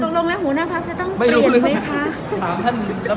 ตรงรุงแล้วหัวหน้าพลักษณ์จะต้องเปลี่ยนไหมคะ